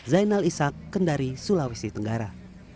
zainal ishak kendari sulawesi tenggara